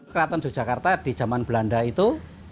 keraton yogyakarta di zaman belanda itu